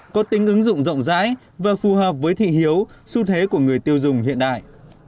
có tính ứng dụng rộng rãi và phù hợp với thị hiếu xu thế của người tiêu dùng hiện đại